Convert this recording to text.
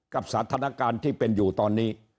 กับสถานการณ์ที่เป็นอยู่ตอนนี้